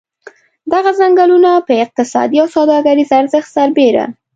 دغه څنګلونه په اقتصادي او سوداګریز ارزښت سربېره.